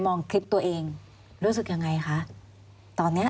มันจอดอย่างง่ายอย่างง่ายอย่างง่าย